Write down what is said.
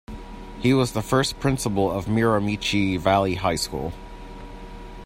He was the first principal of Miramichi Valley High School.